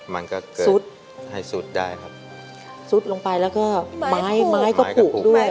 มันก็เกิดซุดให้สุดได้ครับซุดลงไปแล้วก็ไม้ไม้ก็ผูกด้วย